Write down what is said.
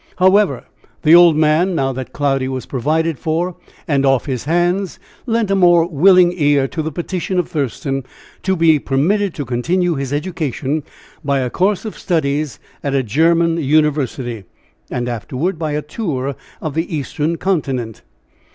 However, the old man now that Cloudy was provided for and off his hands lent a more willing ear to the petition of Thurston to be permitted to continue his education by a course of studies at a German university, and afterward by a tour of the Eastern continent.